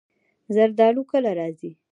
زردالو کله راځي؟